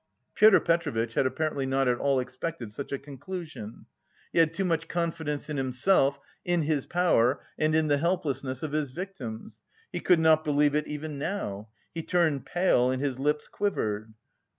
Pyotr Petrovitch had apparently not at all expected such a conclusion. He had too much confidence in himself, in his power and in the helplessness of his victims. He could not believe it even now. He turned pale, and his lips quivered.